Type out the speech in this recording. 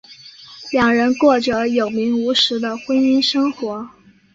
两人过着有名无实的婚姻生活。